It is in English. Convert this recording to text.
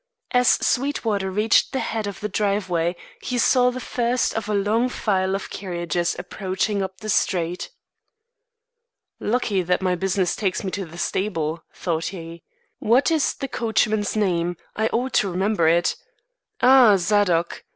As Sweetwater reached the head of the driveway, he saw the first of a long file of carriages approaching up the street. "Lucky that my business takes me to the stable," thought he. "What is the coachman's name? I ought to remember it. Ah Zadok!